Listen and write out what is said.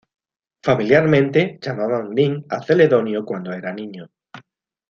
Familiarmente, llamaban Nin a Celedonio cuando era niño.